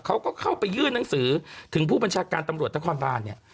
เขาก็เข้าไปยื่นหนังสือถึงผู้บัญชาการตำรวจนครบานเนี่ย